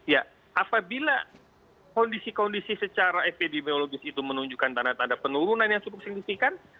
ya apabila kondisi kondisi secara epidemiologis itu menunjukkan tanda tanda penurunan yang cukup signifikan